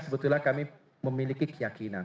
sebetulnya kami memiliki keyakinan